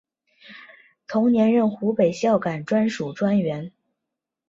同年任湖北孝感专署专员。